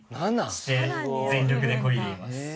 全力でこいでいます。え。